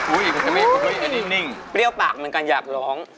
อู๊ยอันนี้นิ่งปลรี้ยาวปากเหมือนกันอยากร้อง